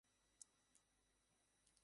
এমনি একটা লোক চলে এসেছে।